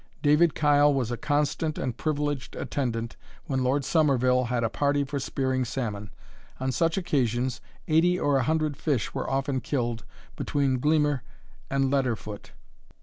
David Kyle was a constant and privileged attendant when Lord Sommerville had a party for spearing salmon; on such occasions, eighty or a hundred fish were often killed between Gleamer and Leaderfoot.